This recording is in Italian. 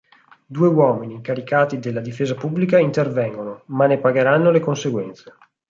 Due uomini, incaricati della difesa pubblica, intervengono ma ne pagheranno le conseguenze.